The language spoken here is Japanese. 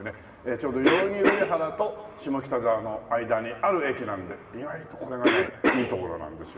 ちょうど代々木上原と下北沢の間にある駅なんで意外とこれがねいい所なんですよね。